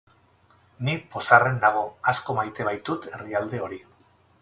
Ni pozarren nago, asko maite baitut herrialde hori.